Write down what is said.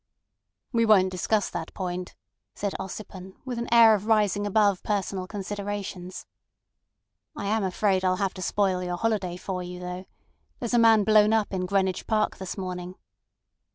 "We won't discuss that point," said Ossipon, with an air of rising above personal considerations. "I am afraid I'll have to spoil your holiday for you, though. There's a man blown up in Greenwich Park this morning."